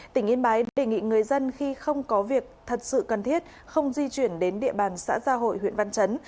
tỉnh yên bái đề nghị người dân khi không có việc thật sự cần thiết không di chuyển đến địa bàn xã gia hội huyện văn chấn